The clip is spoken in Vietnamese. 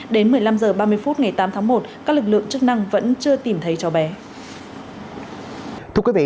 đến một mươi năm h ba mươi phút ngày tám tháng một các lực lượng chức năng vẫn chưa tìm thấy cháu bé